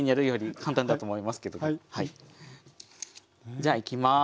じゃあいきます。